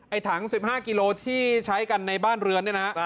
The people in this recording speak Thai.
ถัง๑๕กิโลที่ใช้กันในบ้านเรือนเนี่ยนะ